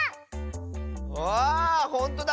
ああっほんとだ！